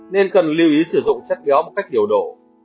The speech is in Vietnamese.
nên cần lưu ý sử dụng chất béo bằng cách điều độ